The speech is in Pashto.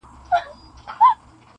ځوانان بحث کوي په کوڅو تل,